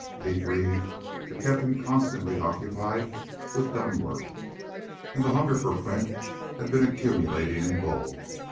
Pete Reeve had kept him constantly occupied with gun work, and the hunger for print had been accumulating in Bull.